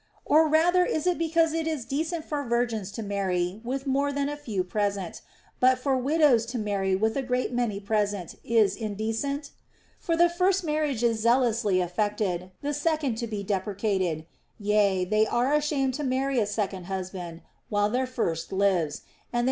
Or rather is it because it is decent for virgins to marry with more than a few pres ent, but for widows to marry with a great many present is indecent % For the first marriage is zealously affected, tin second to be deprecated ; yea, they are ashamed to marry a second husband while their first husband lives, and they 260 THE ROMAN QUESTIONS.